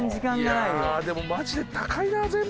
いやでもマジで高いな全部。